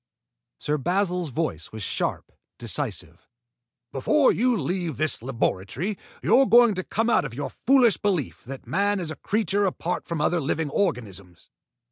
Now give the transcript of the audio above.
Sir Basil's voice was sharp, decisive. "Before you leave this laboratory, you're going to come out of your foolish belief that man is a creature apart from other living organisms.